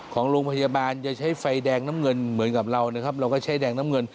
ของโรงพยาบาลจะใช้ไฟแดงน้ำเงินเหมือนกับเรานะครับเราก็ใช้แดงน้ำเงิน